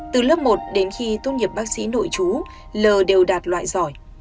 từ lớp một đến khi tốt nghiệp bác sĩ nội chú lờ đều đạt loại giỏi